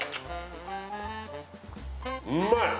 うまい！